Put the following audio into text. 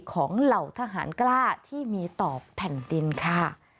เหล่าทหารกล้าที่มีต่อแผ่นดินค่ะ